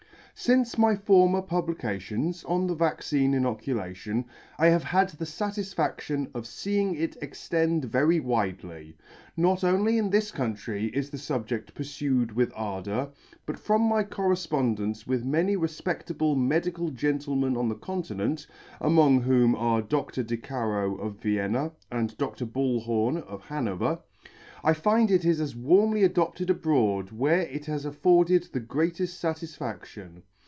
Since my former publications on the Vaccine Inoculation, I have had the fatisfadion of feeing it extend very widely. Not only in this country is the fubjed purfued with ardour, but from my correfpondence with many refpedable medical gentlemen on the Continent, (among whom are Dr. De Carro of Vienna, and Dr. Ballhorn of Hanover,) I find it is as warmly adopted abroad, where it has afforded the greatefl fatisfadion.